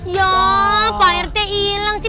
ya pak rt hilang sih